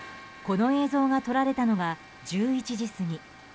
この映像が撮られたのが１１時過ぎ。